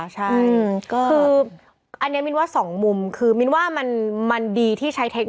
ใช่ค่ะอันนี้